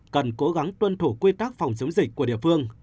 cần cố gắng tuân thủ quy tắc phòng chống dịch của địa phương